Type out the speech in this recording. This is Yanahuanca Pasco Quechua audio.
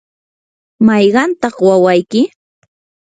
¿mayqantaq wawayki?